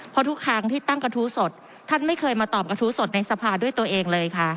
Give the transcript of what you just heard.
เพราะทุกครั้งที่ตั้งกระทู้สดท่านไม่เคยมาตอบกระทู้สดในสภาด้วยตัวเองเลยค่ะ